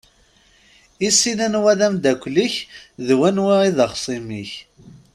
Issin anwa i d amdakel-ik d wanwa i d axṣim-ik!